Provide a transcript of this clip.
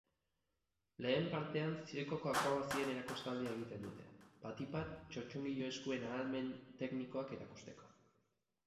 Lehen partean zirkoko akrobazien erakustaldia egiten dute, batipat txotxongilo-eskuen ahalmen teknikoak erakusteko.